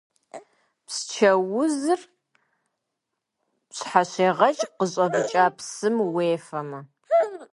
Псчэ узыр пщхьэщегъэкӏ къыщӏэвыкӏа псым уефэмэ.